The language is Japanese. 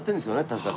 確か。